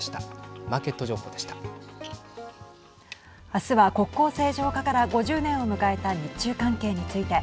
明日は国交正常化から５０年を迎えた日中関係について。